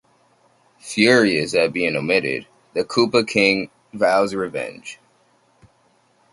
Furious at being omitted, the Koopa King vows revenge.